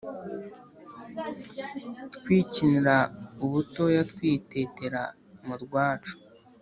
twikinira ubutoya twitetera mu rwacu